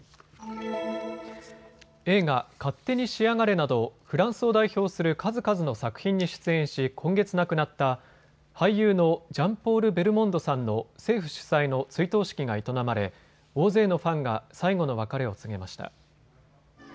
映画、勝手にしやがれなどフランスを代表する数々の作品に出演し今月亡くなった俳優のジャンポール・ベルモンドさんの政府主催の追悼式が営まれ、大勢のファンが最後の別れを告げました。